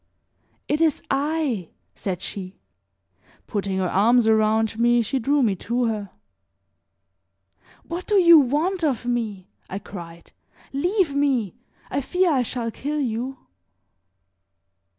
"It is I!" said she; putting her arms around me she drew me to her. "What do you want of me?" I cried. "Leave me! I fear I shall kill you!"